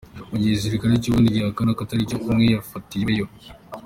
Mu gihe igisirikare cy’u Burundi gihakana ko atari cyo, umwe yafatiweyo.